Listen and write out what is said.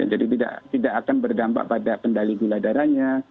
jadi tidak akan berdampak pada pendali gula darahnya